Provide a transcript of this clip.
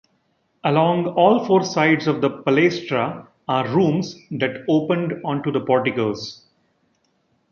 Along all four sides of the palaestra are rooms that opened onto the porticoes.